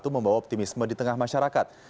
membawa optimisme di tengah masyarakat